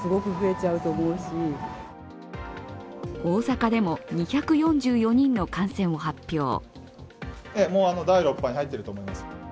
大阪でも２４４人の感染を発表。